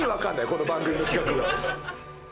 この番組の企画が。